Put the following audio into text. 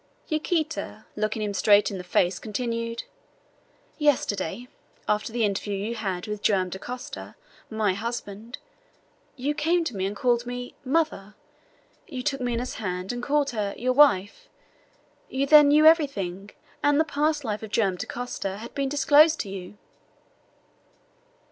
Yaquita, looking him straight in the face, continued: "Yesterday, after the interview you had with Joam Dacosta, my husband, you came to me and called me mother! You took Minha's hand, and called her your wife! You then knew everything, and the past life of Joam Dacosta had been disclosed to you."